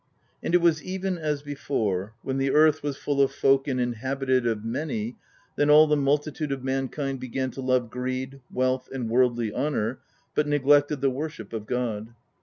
And it was even as before: when the earth was full of folk and inhabited of many, then all the multitude of mankind began to love greed, wealth, and worldly honor, but neglected the worship of God.